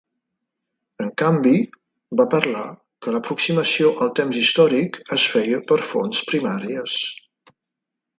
En canvi, va parlar que l'aproximació al temps històric es feia per fonts primàries.